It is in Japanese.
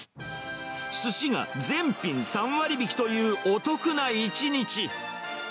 すしが全品３割引きというお得な一日。